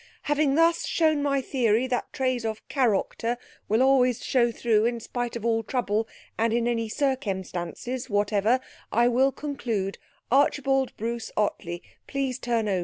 having thus shown my theory that trays of carocter will always show threw in spite of all trubble and in any circemstances whatever I will conclude Archibald Bruce Ottley please t.o.'